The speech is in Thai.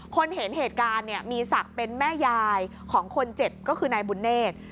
คนเห็นเหตุการณ์เนี่ยมีศักดิ์เป็นแม่ยายของคนเจ็บก็คือนายบุญเนธ